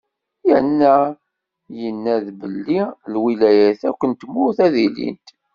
Yerna yenna-d belli: “Lwilayat akk n tmurt, ad ilint."